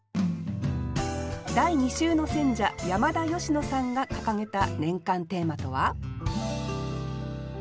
第２週の選者山田佳乃さんが掲げた年間テーマとは？